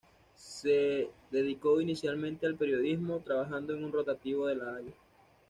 Se dedicó inicialmente al periodismo, trabajando en un rotativo de La Haya.